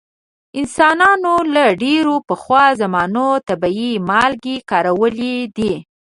انسانانو له ډیرو پخوا زمانو طبیعي مالګې کارولې دي.